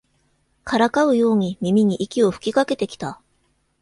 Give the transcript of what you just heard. からかうように耳に息を吹きかけてきた